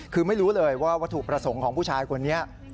คือไม่รู้เลยว่าวัตถุประสงค์ของผู้ชายคนนี้